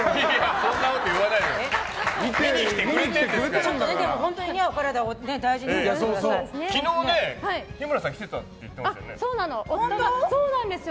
そんなこと言わないくださいよ。